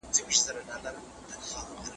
غرونه بې تېږو نه وي.